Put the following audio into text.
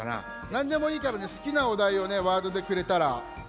なんでもいいからねすきなおだいをねワードでくれたら。